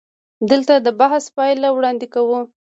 دلته د بحث پایله وړاندې کوو.